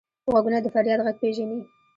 غوږونه د فریاد غږ پېژني